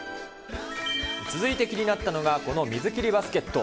続いて気になったのが、この水切りバスケット。